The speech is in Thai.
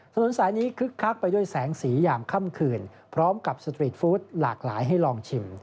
ถนนสายนี้คึกคักไปด้วยแสงสียามค่ำคืนพร้อมกับสตรีทฟู้ดหลากหลายให้ลองชิม